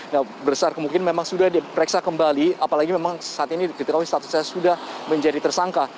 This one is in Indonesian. nah besar kemungkinan memang sudah diperiksa kembali apalagi memang saat ini diketahui statusnya sudah menjadi tersangka